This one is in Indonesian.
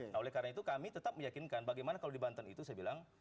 nah oleh karena itu kami tetap meyakinkan bagaimana kalau di banten itu saya bilang